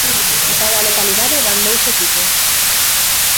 A cada localidade van dous equipos.